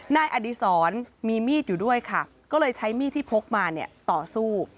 นายอดีศรมีมีดอยู่ด้วยค่ะก็เลยใช้มีดที่พกมาเนี่ยต่อสู้